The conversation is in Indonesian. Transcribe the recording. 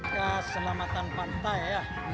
kita selamatan pantai ya